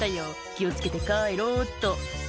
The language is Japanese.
気を付けて帰ろうっと」